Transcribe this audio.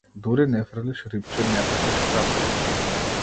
Дури не фрлиш рипче, не фаќаш крапче.